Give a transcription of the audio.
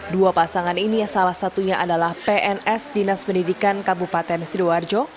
dua pasangan ini salah satunya adalah pns dinas pendidikan kabupaten sidoarjo